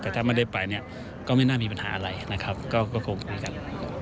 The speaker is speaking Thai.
แต่ถ้าไม่ได้ไปเนี่ยก็ไม่น่ามีปัญหาอะไรนะครับก็คงคุยกัน